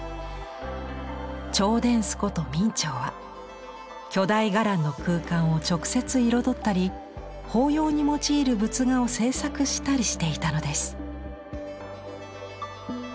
兆殿司こと明兆は巨大伽藍の空間を直接彩ったり法要に用いる仏画を制作したりしていたのです。